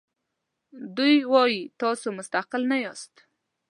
دوی وایي تاسو مستقل نه یاست.